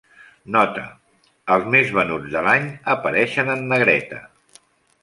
Nota: els més venuts de l'any apareixen en negreta.